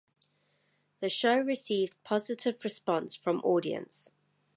The show received positive response from audience.